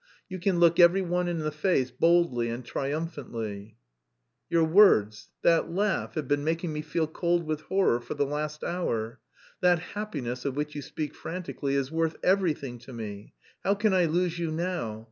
You can look every one in the face boldly and triumphantly!" "Your words, that laugh, have been making me feel cold with horror for the last hour. That 'happiness' of which you speak frantically is worth... everything to me. How can I lose you now?